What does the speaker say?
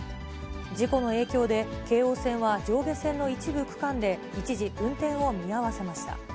事故の影響で、京王線は上下線の一部区間で一時運転を見合わせました。